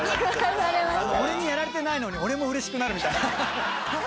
「俺にやられてないのに俺もうれしくなる」